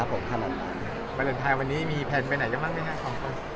บรรยันทรายวันนี้มีแผนไปไหนกันบ้างไหมครับ